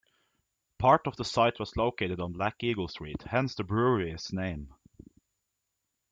Part of the site was located on Black Eagle Street, hence the brewery's name.